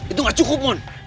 itu gak cukup mon